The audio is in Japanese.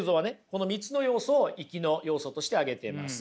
この３つの要素をいきの要素として挙げてます。